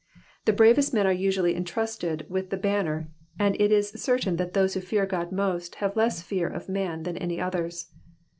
The bravest men are usually intrusted with the banner, and it is certain that those who fear God most have less fear of man than any others.